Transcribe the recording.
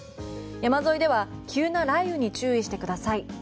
山沿いでは急な雷雨に注意してください。